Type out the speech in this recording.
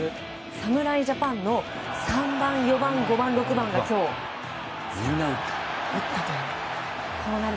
侍ジャパンの３番、４番、５番、６番が今日、みんな打ったという。